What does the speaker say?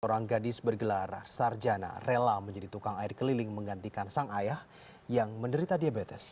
seorang gadis bergelar sarjana rela menjadi tukang air keliling menggantikan sang ayah yang menderita diabetes